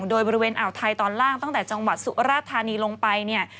โดยบริเวณอ่าวไทยตอนล่างตั้งแต่จังหวัดสุราธานีลงไปเนี่ย